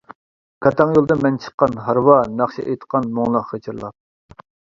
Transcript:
كاتاڭ يولدا مەن چىققان ھارۋا ناخشا ئېيتقان مۇڭلۇق غىچىرلاپ.